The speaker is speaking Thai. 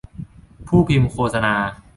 ผู้พิมพ์โฆษณา